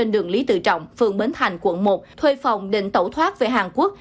đường lý tự trọng phường bến thành quận một thuê phòng định tẩu thoát về hàn quốc